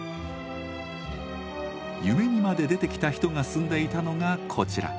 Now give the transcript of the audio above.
夢にまで出てきた人が住んでいたのがこちら。